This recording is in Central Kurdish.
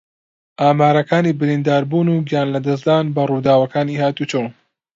ئامارەکانی برینداربوون و گیانلەدەستدان بە ڕووداوەکانی ھاتوچۆ